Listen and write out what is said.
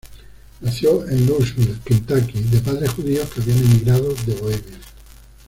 Nació en Louisville, Kentucky, de padres judíos que habían emigrado de Bohemia.